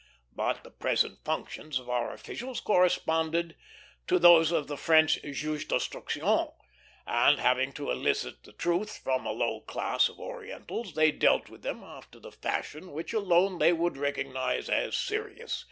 But the present functions of our officials corresponded to those of the French juges d'instruction; and, having to elicit the truth from a low class of Orientals, they dealt with them after the fashion which alone they would recognize as serious.